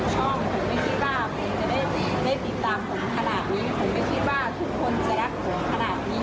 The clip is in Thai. ช่องผมไม่คิดว่าผมจะได้ได้ติดตามผมขนาดนี้ผมไม่คิดว่าทุกคนจะรักผมขนาดนี้